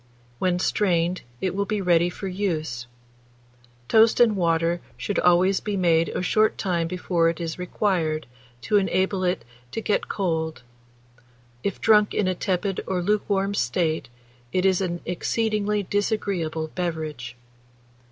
When strained, it will be ready for use. Toast and water should always be made a short time before it is required, to enable it to get cold: if drunk in a tepid or lukewarm state, it is an exceedingly disagreeable beverage.